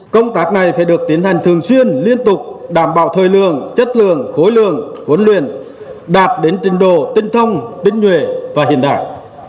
công tác này phải được tiến hành thường xuyên liên tục đảm bảo thời lượng chất lượng khối lượng huấn luyện đạt đến trình độ tinh thông tinh nhuệ và hiện đại